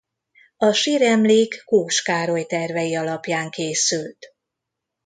A síremlék Kós Károly tervei alapján készült.